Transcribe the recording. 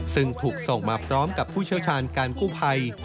ซึ่งถูกส่งมาพร้อมกับผู้เชี่ยวชาญการกู้ภัย